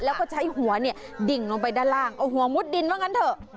แล้วก็ใช้หัวเนี่ยดิ่งลงไปด้านล่างเอาหัวมุดดินว่างั้นเถอะ